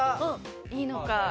いいのか。